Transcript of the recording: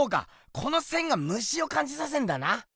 この線がムシをかんじさせんだな！